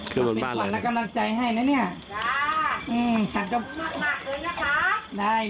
เข้าบนบ้านเลยนะนี่ชัดก็ขอบคุณมากเลยนะคะ